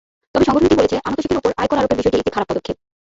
তবে সংগঠনটি বলছে, আনুতোষিকের ওপর আয়কর আরোপের বিষয়টি একটি খারাপ পদক্ষেপ।